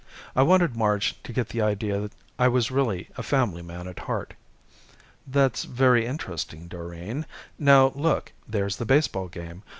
I wanted Marge to get the idea I was really a family man at heart. "That's very interesting, Doreen. Now look, there's the baseball game.